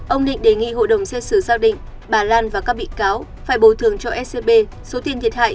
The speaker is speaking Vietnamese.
ông định đề nghị hội đồng xét xử xác định bà lan và các bị cáo phải bồi thường cho scb số tiền thiệt hại